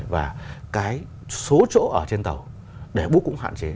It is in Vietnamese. và cái số chỗ ở trên tàu đẻ bút cũng hạn chế